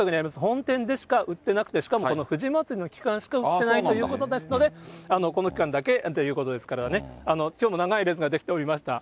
本店でしか売ってなくて、しかもこの藤まつりの期間しか売ってないということですので、この期間だけということですからね、きょうも長い列が出来ておりました。